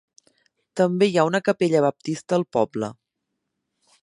També hi ha una capella baptista al poble.